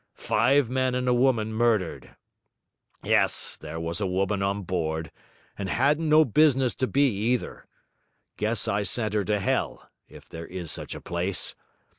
Five men and a woman murdered. Yes, there was a woman on board, and hadn't no business to be either. Guess I sent her to Hell, if there is such a place.